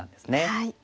はい。